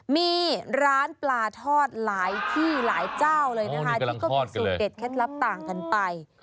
มีร้านปลาทอดหลายที่หลายเจ้าเลยนะคะที่ก็มีสูตรเด็ดเคล็ดลับต่างกันไป